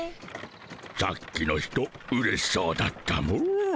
さっきの人うれしそうだったモ。